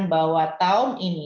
bahwa tahun ini